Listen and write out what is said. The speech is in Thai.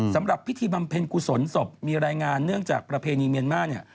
สำหรับพิธีบำเพ็ญกุศลศพมีรายงานเนื่องจากประเพณีเมียนมาร์เนี่ย